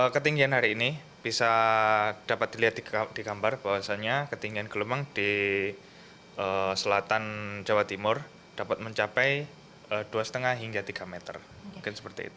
ketinggian hari ini bisa dapat dilihat di gambar bahwasannya ketinggian gelombang di selatan jawa timur dapat mencapai dua lima hingga tiga meter